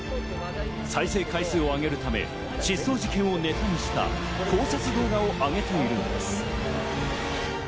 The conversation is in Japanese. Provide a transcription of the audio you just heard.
再生回数を上げるため、失踪事件をネタにした考察動画をあげているんです。